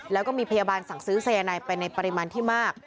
แล้วก็มีพยาบาลสั่งซื้อสายนายไปในปริมาณที่มาก